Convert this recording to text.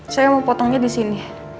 saya mau potongnya disini